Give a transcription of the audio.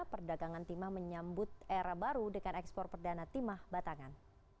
perdagangan timah menyambut era baru dengan ekspor perdana timah batangan